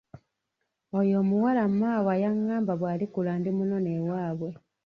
Oyo omuwala maawa yangamba bw'alikula ndimunona ewaabwe.